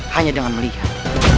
hanya dengan melihat